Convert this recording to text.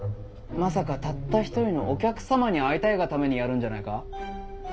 まさかたった一人のお客様に会いたいがためにやるんじゃないか？